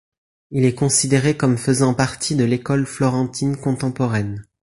Il est considéré comme faisant partie de l'école florentine contemporaine.